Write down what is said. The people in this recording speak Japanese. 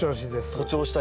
徒長した枝